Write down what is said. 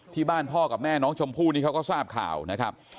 พ่อกับแม่น้องชมพู่นี่เขาก็ทราบข่าวนะครับ